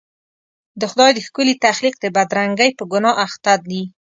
د خدای د ښکلي تخلیق د بدرنګۍ په ګناه اخته دي.